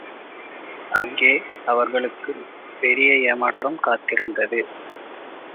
அங்கே அவர்களுக்குப் பெரிய ஏமாற்றம் காத்திருந்தது.